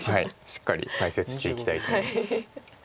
しっかり解説していきたいと思います。